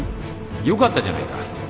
よかったじゃないか。